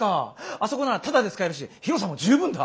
あそこならタダで使えるし広さも十分だ。